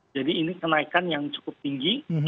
jadi ini kenaikan yang cukup tinggi